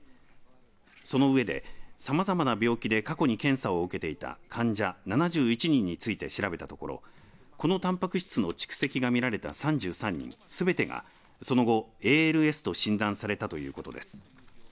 その上で、さまざまな病気で過去に検査を受けていた患者７１人について調べたところこのたんぱく質の蓄積が見られた３３人すべてがその後、ＡＬＳと診断されたということです。